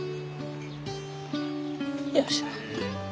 よいしょ。